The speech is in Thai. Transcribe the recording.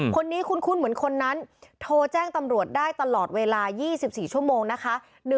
คนนี้คุ้นเหมือนคนนั้นโทรแจ้งตำรวจได้ตลอดเวลา๒๔ชั่วโมงนะคะ